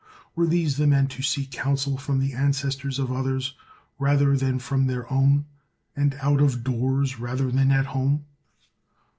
Were these the men to seek counsel from the ancestora of others rather than from their own? and out of doors rather than at home?